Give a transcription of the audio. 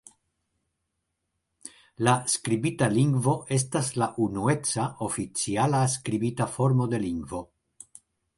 La skribita lingvo estas la unueca, oficiala skribita formo de lingvo.